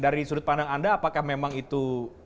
dari sudut pandang anda apakah memang itu